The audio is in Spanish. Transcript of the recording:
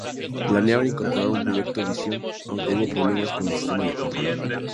Planeaban incorporar un "Proyecto Visión", aunque hubo problemas con el sistema de control.